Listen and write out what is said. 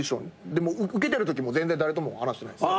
でも受けてるときも全然誰とも話してないです。